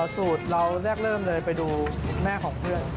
สูตรเราแรกเริ่มเลยไปดูแม่ของเพื่อน